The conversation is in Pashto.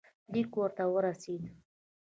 لیک ورته ورسېدی.